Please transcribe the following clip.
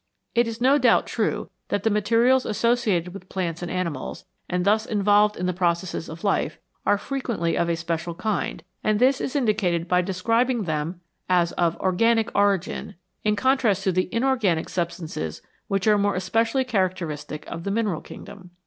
It is no doubt true that the materials associated with plants and animals, and thus involved in the processes of life, are frequently of 28 NATURE'S BUILDING MATERIAL a special kind, and this is indicated by describing them as of " organic " origin, in contrast to the "inorganic" substances which are more especially characteristic of the mineral kingdom.